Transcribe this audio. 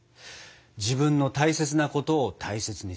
自分の大切なことを大切にする。